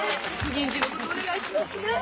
銀次のことお願いしますね。